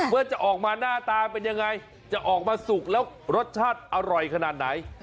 ว่าจะออกมาหน้าตาเป็นยังไงจะออกมาสุกแล้วรสชาติอร่อยขนาดไหน